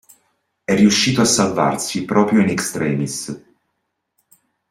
E' riuscito a salvarsi proprio in extremis.